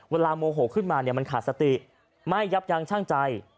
โมโหขึ้นมาเนี่ยมันขาดสติไม่ยับยั้งช่างใจ